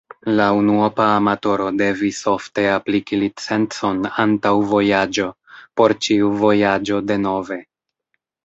La unuopa amatoro devis ofte apliki licencon antaŭ vojaĝo, por ĉiu vojaĝo denove.